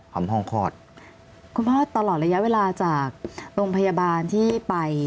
ท่านผู้พ่อตลอดระยะเวลาจากโรงพยาบาลที่ไป